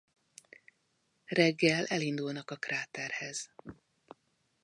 Reggel elindulnak a kráterhez.